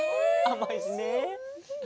あまいしね。